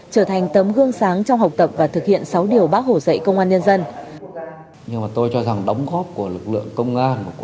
trở thành tấm gương sáng trong học tập và thực hiện sáu điều bác hồ dạy công an nhân dân